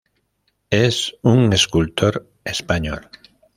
Es un escultor español.